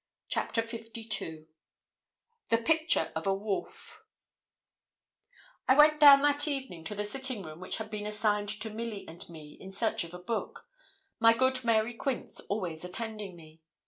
CHAPTER LII THE PICTURE OF A WOLF I went down that evening to the sitting room which had been assigned to Milly and me, in search of a book my good Mary Quince always attending me.